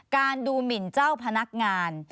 ดูหมินเจ้าพนักงาน